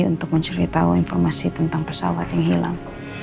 untuk menceritahu informasi tentang pesawat yang hilang